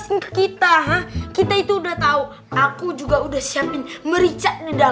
suatu hari tadi aku sudah demonstrated